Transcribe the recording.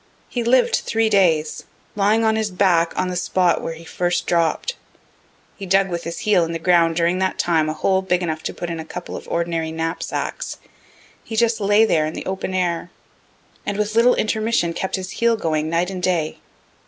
He lived three days, lying on his back on the spot where he first dropt. He dug with his heel in the ground during that time a hole big enough to put in a couple of ordinary knapsacks. He just lay there in the open air, and with little intermission kept his heel going night and day.